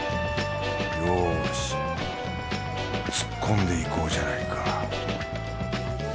よし突っ込んでいこうじゃないか